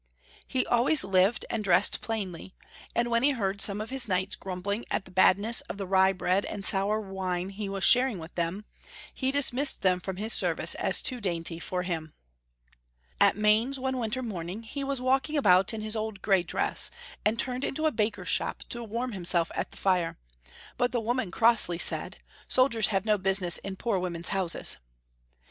He always lived and dressed plainly, and when he heard some of his knights grumbling at the badness of the rye bread and sour wine he was sharing with them, he dismissed them from his service as too dainty for him. At Mainz one winter morning he was walking about in his old grey dress, and turned in to a baker's shop to warm himself at the fire, but the woman crossly said, " Soldiers have no business in poor women's houses."